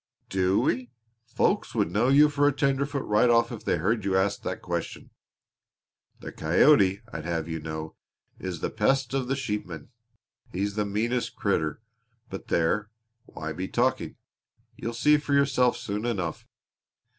Do we? Folks would know you for a tenderfoot right off if they heard you ask that question! The coyote, I'd have you know, is the pest of the sheepman. He's the meanest critter but there, why be talking? You'll see for yourself soon enough.